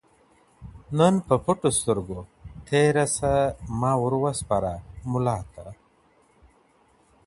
نن په پټو سترګو تېر سه ما ور وسپاره مولا ته